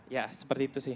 ya seperti itu sih